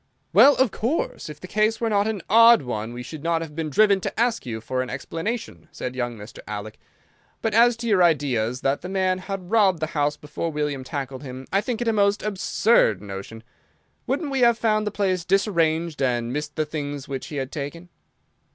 "Well, of course, if the case were not an odd one we should not have been driven to ask you for an explanation," said young Mr. Alec. "But as to your ideas that the man had robbed the house before William tackled him, I think it a most absurd notion. Wouldn't we have found the place disarranged, and missed the things which he had taken?"